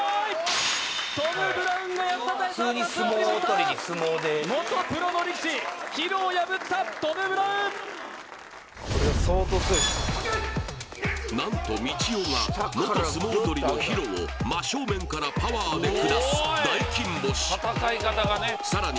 トム・ブラウンが安田大サーカスを破りました元プロの力士ＨＩＲＯを破ったトム・ブラウン何とみちおが元相撲取りのＨＩＲＯを真正面からパワーで下す大金星さらに